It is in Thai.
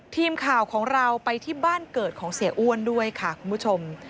ทีมข่าวของเราไปที่บ้านเกิดของเสียอ้วนด้วยค่ะคุณผู้ชม